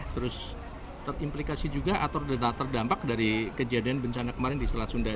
terus terimplikasi juga atau terdampak dari kejadian bencana kemarin di selat sunda